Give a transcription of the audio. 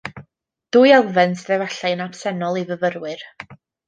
Dwy elfen sydd efallai yn absennol i fyfyrwyr